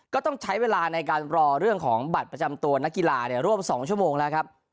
ก็ต้องใช้เวลาในการรอเรื่องของบัตรประจำตัวนักกีฬาร่วม๒ชั่วโมงแล้วครับ